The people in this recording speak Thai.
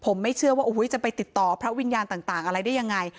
ผมไม่เชื่อว่าจะไปติดต่อพระวิญญาณต่างอะไรได้ยังไง